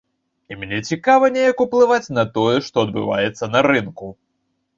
І мне цікава неяк уплываць на тое, што адбываецца на рынку.